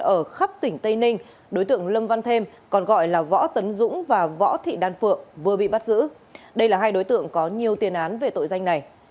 ở khắp tỉnh tây ninh đối tượng lâm văn thêm còn gọi là võ tấn dũng và võ thị đan phượng vừa bị bắt giữ đây là hai đối tượng có nhiều tiền án về tội danh này